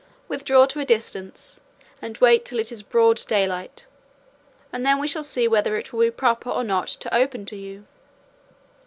Withdraw to a distance, and wait till it is broad daylight, and then we shall see whether it will be proper or not to open to you."